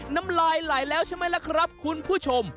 น้ำลายไหลแล้วใช่ไหมล่ะครับคุณผู้ชม